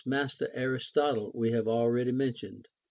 487 master Aristotle we have already mentioned.